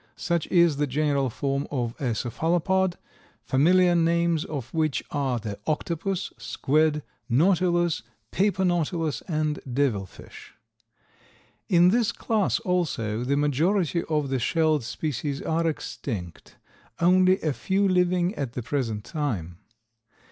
Such is the general form of a cephalopod, familiar names of which are the Octopus, Squid, Nautilus, Paper nautilus and Devil fish. In this class, also, the majority of the shelled species are extinct, only a few living at the present time.